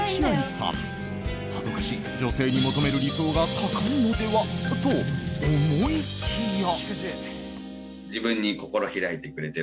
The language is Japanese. さぞかし女性に求める理想が高いのではと思いきや。